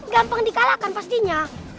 gampang di kalahkan pastinya